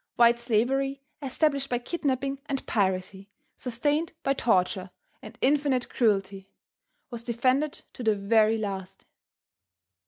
White slavery, established by kidnapping and piracy, sustained by torture and infinite cruelty, was defended to the very last.